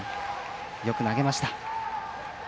よく投げました。